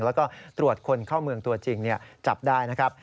แล้วก็ตรวจคนเข้าเมืองตัวจริงจับได้นะครับ